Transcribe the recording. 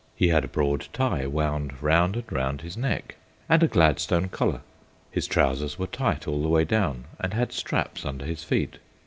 He had a broad tie wound round and round his neck, and a Gladstone collar. His trousers were tight all the way down and had straps under his feet.